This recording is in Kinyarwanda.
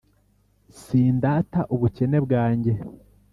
Sindata ubukene bwanjye,